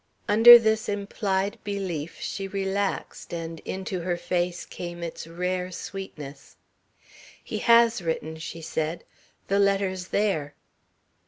Under this implied belief, she relaxed and into her face came its rare sweetness. "He has written," she said. "The letter's there."